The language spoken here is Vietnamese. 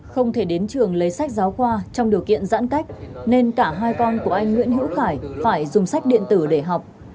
không thể đến trường lấy sách giáo khoa trong điều kiện giãn cách nên cả hai con của anh nguyễn hữu khải phải dùng sách điện tử để học